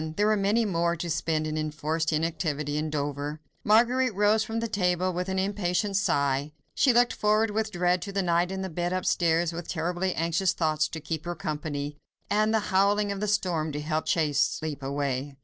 There were many more to spend in enforced inactivity in Dover. Marguerite rose from the table with an impatient sigh. She looked forward with dread to the night in the bed upstairs, with terribly anxious thoughts to keep her company, and the howling of the storm to help chase sleep away.